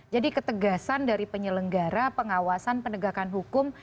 jadi ketegasan dari penyelenggara pengawasan penegakan hukum